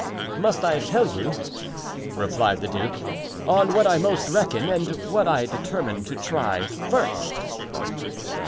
"Must I tell you," replied the duke, "on what I most reckon and what I determine to try first?"